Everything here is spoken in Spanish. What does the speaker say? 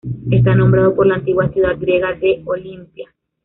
Está nombrado por la antigua ciudad griega de Olimpia.